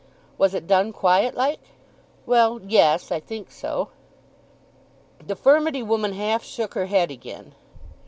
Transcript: Was it done quiet like?" "Well, yes. I think so." The furmity woman half shook her head again.